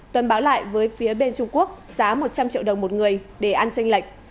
tuần báo lại với phía bên trung quốc giá một trăm linh triệu đồng một người để ăn tranh lệch